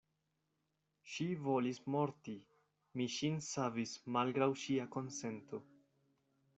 Ŝi volis morti: mi ŝin savis malgraŭ ŝia konsento.